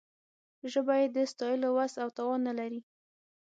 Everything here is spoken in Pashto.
ژبه یې د ستایلو وس او توان نه لري.